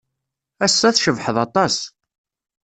Ass-a, tcebḥed aṭas.